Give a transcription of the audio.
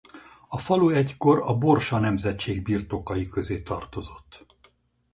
A falu egykor a Borsa nemzetség birtokai közé tartozott.